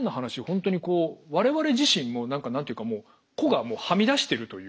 本当にこうわれわれ自身も何か何て言うかもう個がはみ出してるというか。